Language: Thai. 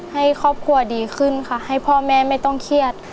ให้ครอบครัวดีขึ้นค่ะให้พ่อแม่ไม่ต้องเครียด